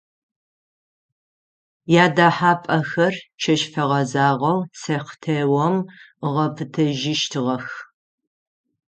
Ядэхьапӏэхэр чэщ фэгъэзагъэу сэхтеом ыгъэпытэжьыщтыгъэх.